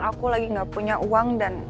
aku lagi gak punya uang dan